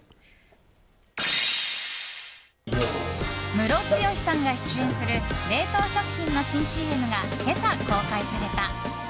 ムロツヨシさんが出演する冷凍食品の新ＣＭが今朝公開された。